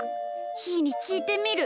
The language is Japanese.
ひーにきいてみる。